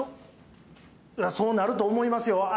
そうなると思いますよ。